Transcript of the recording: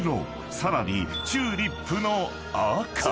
さらにチューリップの赤］